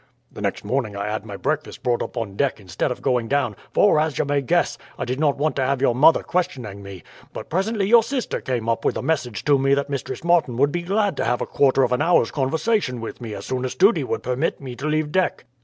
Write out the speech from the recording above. "The next morning I had my breakfast brought up on deck instead of going down, for, as you may guess, I did not want to have your mother questioning me; but presently your sister came up with a message to me that Mistress Martin would be glad to have a quarter of an hour's conversation with me as soon as duty would permit me to leave deck.